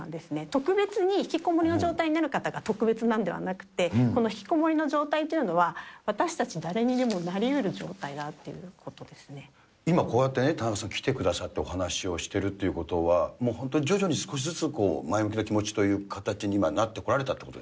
特別にひきこもりの状態になる方が特別なんではなくって、このひきこもりの状態というのは、私たち誰にでもなりうる状態だと今、こうやってね、田中さん、来てくださってお話をしてるということは、もう本当に徐々に少しずつ前向きな気持ちという形に今、なってこはい。